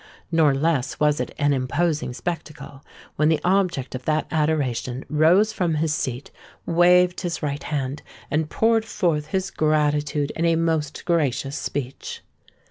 Nor less was it an imposing spectacle when the object of that adoration rose from his seat, waved his right hand, and poured forth his gratitude in a most gracious speech.